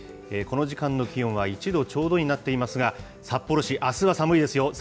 この時間の気温は１度ちょうどになっていますが、札幌市、あすは寒いですよ。